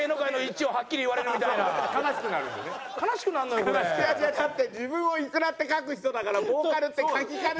だって自分を「イクラ」って書く人だから「ボーカル」って書きかねない。